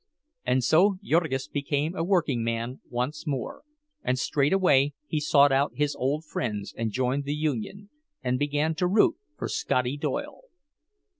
And so Jurgis became a workingman once more; and straightway he sought out his old friends, and joined the union, and began to "root" for "Scotty" Doyle.